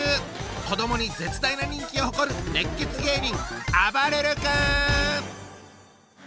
子どもに絶大な人気を誇る熱血芸人！